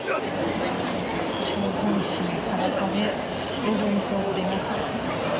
上半身裸で路上に座っています。